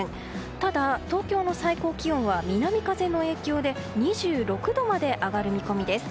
ただ、東京の最高気温は南風の影響で２６度まで上がる見込みです。